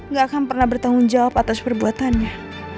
gak akan pernah bertanggung jawab atas perbuatannya